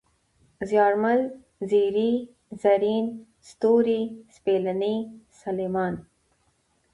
زيارمل ، زېرى ، زرين ، ستوری ، سپېلنی ، سلېمان